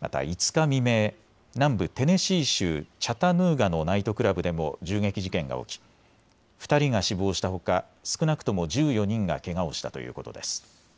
また５日未明、南部テネシー州チャタヌーガのナイトクラブでも銃撃事件が起き２人が死亡したほか少なくとも１４人がけがをしたということです。